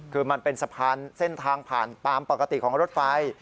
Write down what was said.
คือมันเป็นสะพานเส้นทางผ่านตามปกติของรถไฟ